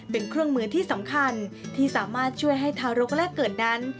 เป็นเครื่องมือที่สำคัญที่สามารถช่วยให้ทารกแรกเกิดนั้น